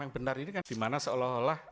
yang benar ini kan dimana seolah olah